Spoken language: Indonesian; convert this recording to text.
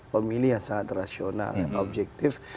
pemilihan sangat rasional objektif